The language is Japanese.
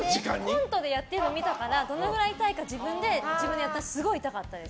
コントでやってるの見たからどれぐらい痛いか自分でやってみたらすごい痛かったです。